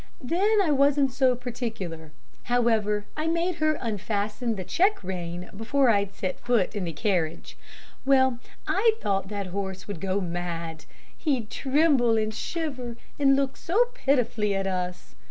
Then, I wasn't so particular. However, I made her unfasten the check rein before I'd set foot in the carriage. Well, I thought that horse would go mad. He'd tremble and shiver, and look so pitifully at us.